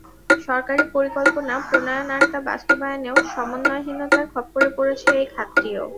সরকারি পরিকল্পনা প্রণয়ন আর তা বাস্তবায়নে সমন্বয়হীনতার খপ্পরে পড়েছে এ খাতটিও।